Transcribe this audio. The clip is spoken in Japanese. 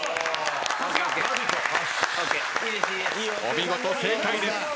お見事正解です。